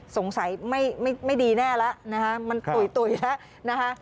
สงสัยไม่ดีแน่แล้วนะฮะมันตุ๋ยแล้วนะคะ